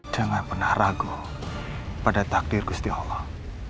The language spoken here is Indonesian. jangan pernah ragu pada takdir gusti allah